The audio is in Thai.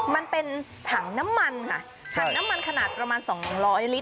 มันเป็นถังน้ำมันค่ะถังน้ำมันขนาดประมาณ๒๐๐ลิตร